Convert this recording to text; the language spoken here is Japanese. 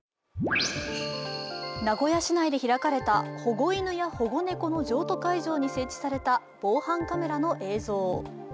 名古屋市内で開かれた保護犬や保護猫の譲渡会場に設置された防犯カメラの映像。